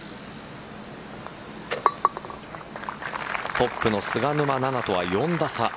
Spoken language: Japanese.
トップの菅沼菜々とは４打差。